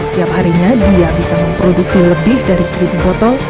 tiap harinya dia bisa memproduksi lebih dari seribu botol